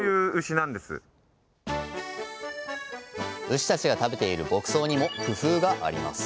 牛たちが食べている牧草にも工夫があります